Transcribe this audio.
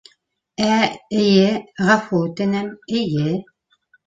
Ә, эйе... ғәфү үтенәм., эйе...